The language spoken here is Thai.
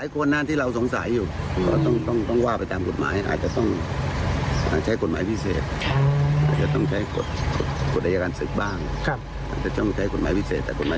คือข้อที่ที่มันเป็นยังไงอะคะ